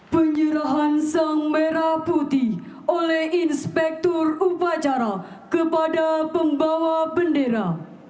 penyerahan sang merah putih oleh inspektur upacara kepada pembawa bendera